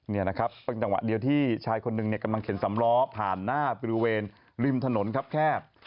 นี่นะครับเป็นจังหวะเดียวที่ชายคนหนึ่งกำลังเข็นสำล้อผ่านหน้าบริเวณริมถนนครับแคบ